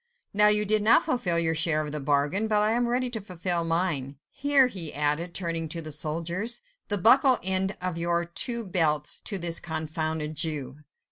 Now, you did not fulfil your share of the bargain, but I am ready to fulfil mine. Here," he added, turning to the soldiers, "the buckle end of your two belts to this confounded Jew."